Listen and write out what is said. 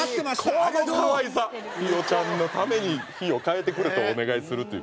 ちゃんのために日を変えてくれとお願いするという。